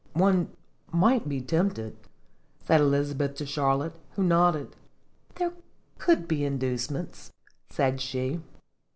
" One might be tempted," said Elizabeth to Charlotte, who nodded. " There could be inducements," said she.